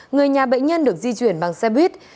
người nhà bệnh nhân được di chuyển bằng xe buýt